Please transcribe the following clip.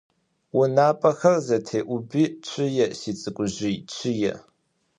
УнапӀэхэр зэтеӀуби, чъые сицӀыкӀужъый, чъые.